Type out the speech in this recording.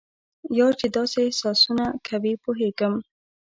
یار چې داسې احسانونه کوي پوهیږم.